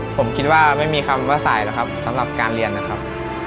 ผมคิดว่าไม่มีคำว่าสายแล้วครับสำหรับการเรียนนะครับ